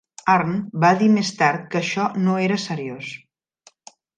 Arndt va dir més tard que això no era seriós.